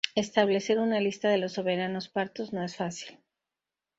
Establecer una lista de los soberanos partos no es fácil.